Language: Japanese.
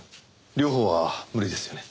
両方は無理ですよね？